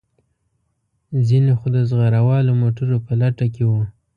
ځینې خو د زغره والو موټرو په لټه کې وو.